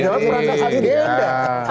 di dalam perancang saja di dnd